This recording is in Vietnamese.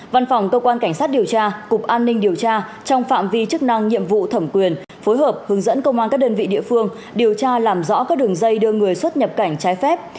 văn phòng cơ quan cảnh sát điều tra cục an ninh điều tra trong phạm vi chức năng nhiệm vụ thẩm quyền phối hợp hướng dẫn công an các đơn vị địa phương điều tra làm rõ các đường dây đưa người xuất nhập cảnh trái phép